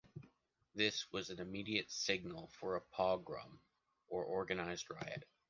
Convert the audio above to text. This was the immediate signal for a pogrom, or organized riot.